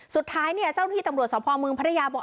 สุดท้ายเนี่ยเจ้าที่ตำรวจสภเมืองพัทยาบอก